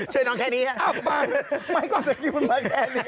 ช่วยน้องแค่นี้ครับไม่ก็จะยืนมาแค่นี้